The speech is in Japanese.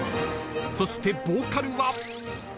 そしてボーカルは。